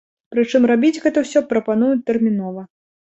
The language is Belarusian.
Прычым рабіць гэта ўсё прапануюць тэрмінова.